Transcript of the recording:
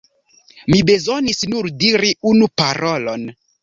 Mi bezonis nur diri unu parolon.